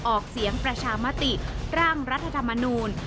ออกเสียงประชามติร่างรัฐธรรมนูล